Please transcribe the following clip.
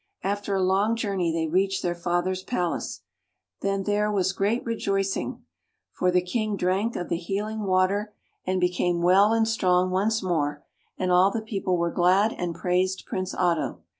After a long journey they reached their father's palace. Then there was great re joicing, for the King drank of the healing [ 105 ] FAVORITE FAIRY TALES RETOLD water and became well and strong once more; and all the people were glad and praised Prince Otto.